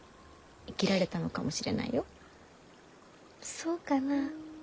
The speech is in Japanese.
そうかな？